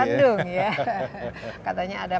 bandung ya katanya ada